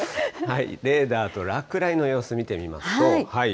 レーダーと落雷の様子を見てみますと。